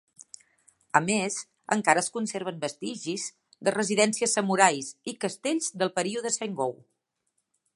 A més encara es conserven vestigis de residències samurais i castells del període Sengoku.